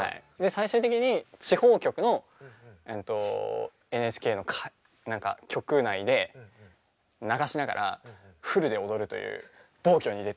最終的に地方局のＮＨＫの局内で流しながらフルで踊るという暴挙に出て。